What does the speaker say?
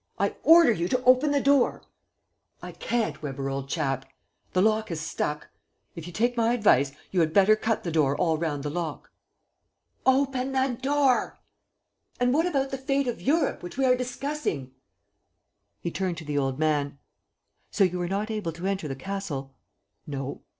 "I order you to open the door!" "I can't. Weber, old chap; the lock has stuck. If you take my advice, you had better cut the door all round the lock." "Open the door!" "And what about the fate of Europe, which we are discussing?" He turned to the old man: "So you were not able to enter the castle?" "No."